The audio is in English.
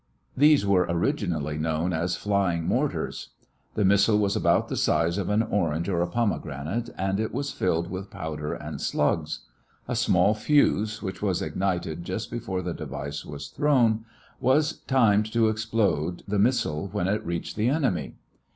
These were originally known as "flying mortars." The missile was about the size of an orange or a pomegranate, and it was filled with powder and slugs. A small fuse, which was ignited just before the device was thrown, was timed to explode the missile when it reached the enemy.